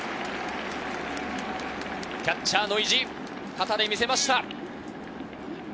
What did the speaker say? キャッチャーの意地、肩で見せました。